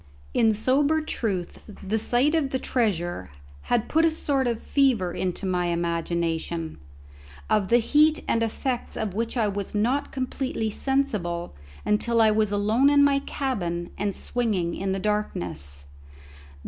In sober truth, the sight of the treasure had put a sort of fever into my imagination, of the heat and effects of which I was not completely sensible until I was alone in my cabin and swinging in the darkness.